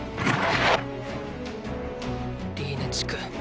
リーネ地区